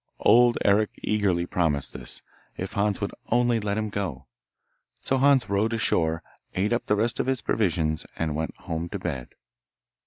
Old Eric eagerly promised this, if Hans would only let him go; so Hans rowed ashore, ate up the rest of his provisions, and went home to bed.